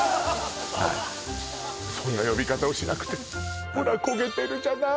そんな呼び方をしなくてもほら焦げてるじゃない